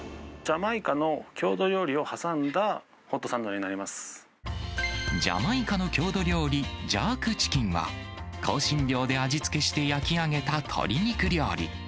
ジャマイカの郷土料理を挟んジャマイカの郷土料理、ジャークチキンは、香辛料で味付けして焼き上げた鶏肉料理。